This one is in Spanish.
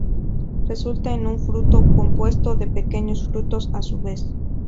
Resultan en un fruto compuesto de pequeños "frutos" a su vez.